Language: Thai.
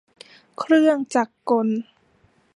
เครื่องจักรกล